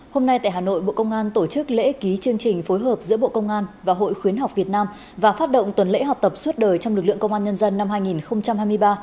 hôm nay tại hà nội bộ công an tổ chức lễ ký chương trình phối hợp giữa bộ công an và hội khuyến học việt nam và phát động tuần lễ học tập suốt đời trong lực lượng công an nhân dân năm hai nghìn hai mươi ba